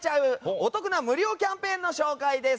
お得な無料キャンペーンです。